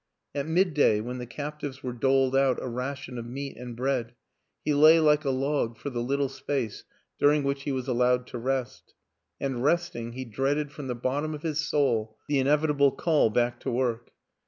At midday, when the captives were doled out a ration of meat and bread, he lay like a log for the little space during which he was allowed to rest; and, resting, he dreaded from the bottom of his soul the inevitable call back to work.